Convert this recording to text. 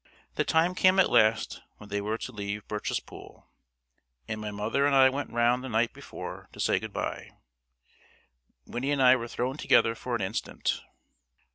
The time came at last when they were to leave Birchespool, and my mother and I went round the night before to say goodbye. Winnie and I were thrown together for an instant.